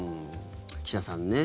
岸田さんね